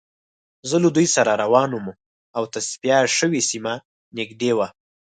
زه له دوی سره روان وم او تصفیه شوې سیمه نږدې وه